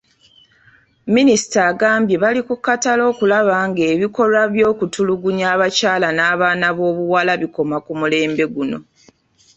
Minisita agambye bali kukkatala okulaba ng'ebikolwa by'okutulugunya abakyala n'abaana b'obuwala bikoma ku mulembe guno.